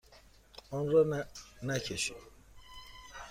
آن را نکشید.